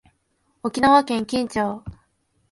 沖縄県金武町